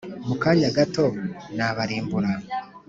Mu kanya gato nabarimbura